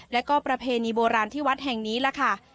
แล้วก็ประเพณีโบราณที่วัดแห่งนี้ล่ะค่ะ